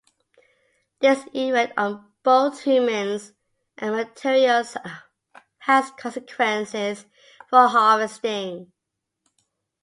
This effect on both humans and materials has consequences for harvesting.